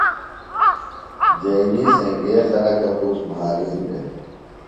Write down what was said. جئینی سنگئے خلکہ پُتر مھارِین دےۡ۔